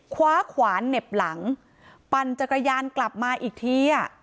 คว้าขวานเหน็บหลังปั่นจักรยานกลับมาอีกทีอ่ะ